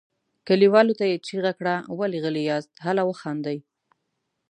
کليوالو ته یې چیغه کړه ولې غلي یاست هله وخاندئ.